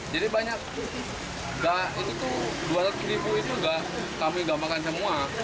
jadi banyak dua ratus ribu itu kami gak makan semua